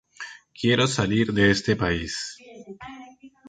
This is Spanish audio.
Quiero salir de este país".